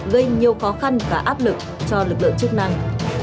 gây nhiều khó khăn và áp lực cho lực lượng chức năng